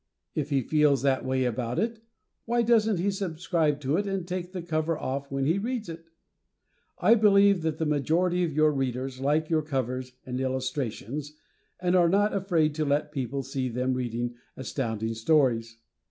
If he feels that way about it, why doesn't he subscribe to it and take the cover off when he reads it? I believe that the majority of your Readers like your covers and illustrations, and are not afraid to let people see them reading Astounding Stories.